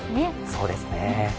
そうですね。